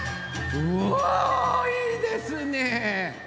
うわいいですね！